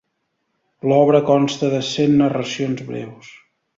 L'obra consta de cent narracions breus.